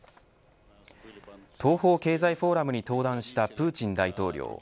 東方経済フォーラムに登壇したプーチン大統領。